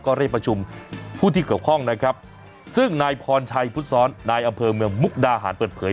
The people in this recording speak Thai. ก็เรียกประชุมผู้ที่เกี่ยวข้องนะครับซึ่งนายพรชัยพุทธศรนายอำเภอเมืองมุกดาหารเปิดเผย